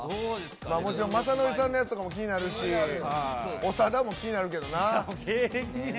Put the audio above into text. もちろんまさのりさんのやつとかも気になるし、長田も気になるしな。